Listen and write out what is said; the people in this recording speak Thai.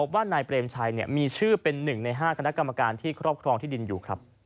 ว่านายเปรมชัยมีชื่อเป็น๑ใน๕คณะกรรมการที่ครอบครองที่ดินอยู่